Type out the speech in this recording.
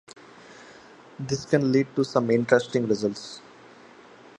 This can lead to some interesting results.